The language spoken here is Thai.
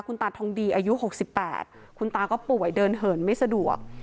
คุณตาทองดีอายุ๖๘คุณตาก็ป่วยเดินเหินไม่สะดวก